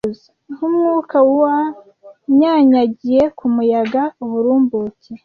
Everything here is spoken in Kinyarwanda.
Nkumwuka wanyanyagiye kumuyaga. Uburumbuke